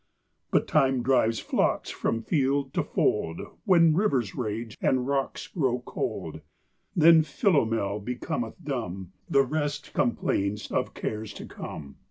But time drives flocks from field to fold, When rivers rage, and rocks grow cold; Then Philomel becometh dumb, The rest complains of cares to come.